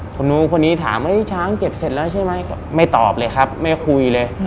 คนนู้นคนนี้ถามช้างเก็บเสร็จแล้วใช่ไหมไม่ตอบเลยครับไม่คุยเลย